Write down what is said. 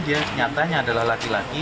dia nyatanya adalah laki laki